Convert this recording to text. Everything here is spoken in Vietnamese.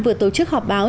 vừa tổ chức họp báo